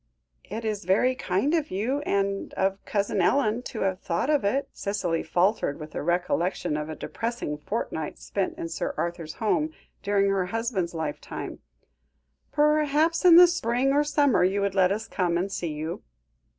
"It is very kind of you, and of Cousin Ellen to have thought of it," Cicely faltered with a recollection of a depressing fortnight spent in Sir Arthur's home, during her husband's lifetime; "perhaps in the spring or summer you would let us come and see you."